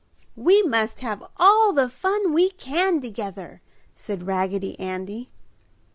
"We must all have all the fun we can together!" said Raggedy Andy.